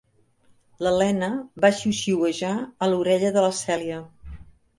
L'Helena va xiuxiuejar a l'orella de la Cèlia.